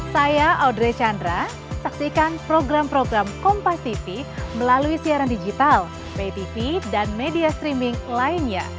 saya audrey chandra saksikan program program kompas tv melalui siaran digital pay tv dan media streaming lainnya